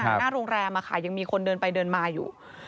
หน้าโรงแรมอะค่ะยังมีคนเดินไปเดินมาอยู่